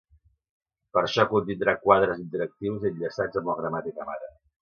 Per això contindrà quadres interactius i enllaçats amb la gramàtica mare.